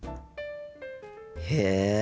へえ。